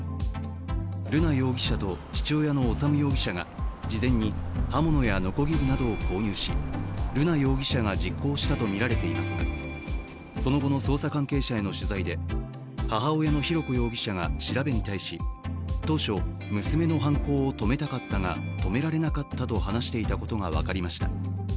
瑠奈容疑者と父親の修容疑者が、事前に刃物やのこぎりなどを購入し、瑠奈容疑者が実行したとみられていますがその後の捜査関係者への取材で母親の浩子容疑者が調べに対し当初、娘の犯行を止めたかったが、止められなかったと話していたことが分かりました。